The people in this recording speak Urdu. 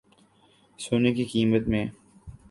سونے کی قیمت میں